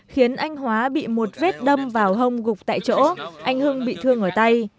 khiến anh hóa bị một vết đâm vào hông gục tại chỗ anh hưng bị thương ở tay